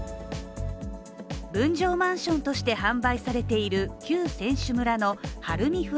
分譲マンションとして販売されている旧選手村のＨＡＲＵＭＩＦＬＡＧ。